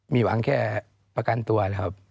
มีหวังแค่ประกันตัวนะครับ